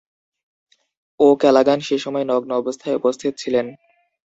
O'Callaghan সে সময় নগ্ন অবস্থায় উপস্থিত ছিলেন।